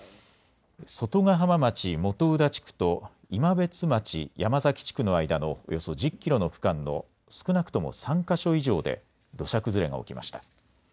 外ヶ浜町元宇田地区と今別町山崎地区の間のおよそ１０キロの区間の少なくとも３か所以上で土砂崩れが起きました。